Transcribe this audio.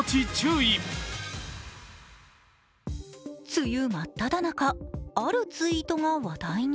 梅雨真っただ中、あるツイートが話題に。